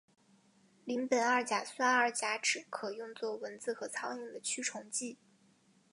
邻苯二甲酸二甲酯可用作蚊子和苍蝇的驱虫剂。